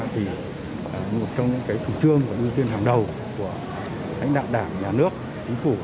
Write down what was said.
thì một trong những chủ trương và ưu tiên hàng đầu của hãnh đạo đảng nhà nước chính phủ